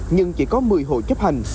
nhưng chỉ có một mươi hộ chấp hành